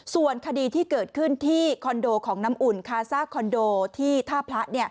ส่วนคดีที่เกิดขึ้นที่คอนโดของน้ำอุ่นคาซ่าคอนโดที่ท่าพระ